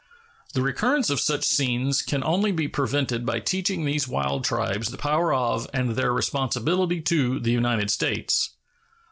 The recurrence of such scenes can only be prevented by teaching these wild tribes the power of and their responsibility to the United States.